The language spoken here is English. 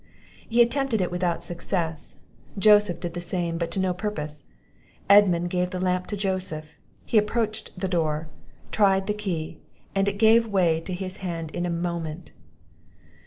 He attempted it without success; Joseph did the same, but to no purpose; Edmund gave the lamp to Joseph; he approached the door, tried the key, and it gave way to his hand in a moment.